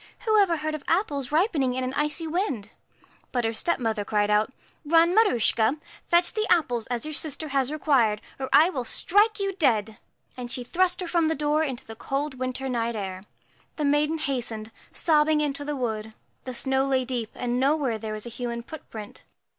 Who ever heard of apples ripening in an icy wind ?' But her stepmother cried put, ' Run, Maruschka, fetch the apples as your sister has required, or I will strike you dead.' And she thrust her from the door into the cold winter night air. The maiden hastened, sobbing, into the wood ; the snow lay deep, and nowhere was there a human footprint.